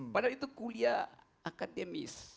padahal itu kuliah akademis